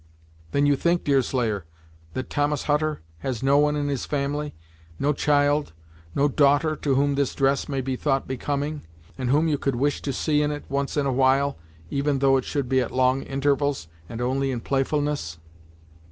"Then you think, Deerslayer, that Thomas Hutter has no one in his family no child no daughter, to whom this dress may be thought becoming, and whom you could wish to see in it, once and awhile, even though it should be at long intervals, and only in playfulness?"